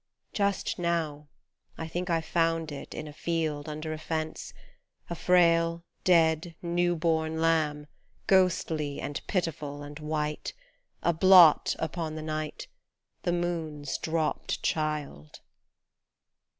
Just now, I think I found it in a field, under a fence A frail, dead, new born lamb, ghostly and pitiful and white, A blot upon the night, The moon's dropped child